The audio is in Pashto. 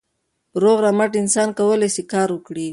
روغ رمټ انسان کولای سي کار وکړي.